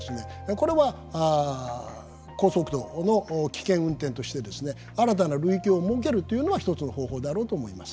これは高速度の危険運転としてですね新たな類型を設けるというのは一つの方法だろうと思います。